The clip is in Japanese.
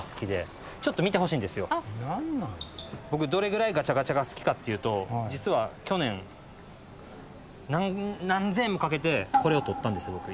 僕どれぐらいガチャガチャが好きかっていうと実は去年何千円もかけてこれを取ったんです。